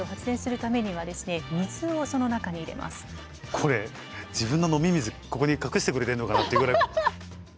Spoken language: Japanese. これ自分の飲み水ここに隠してくれてるのかなっていうぐらい。